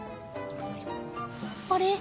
あれ？